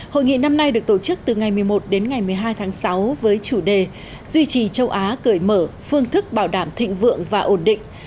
hội nghị năm nay được tổ chức từ ngày một mươi một đến ngày một mươi hai tháng sáu với chủ đề duy trì châu á cởi mở phương thức bảo đảm thịnh vượng và ổn định